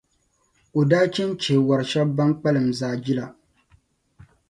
o daa chɛ n-chihi wɔr’ shɛba bɛn kpalim zaa jila.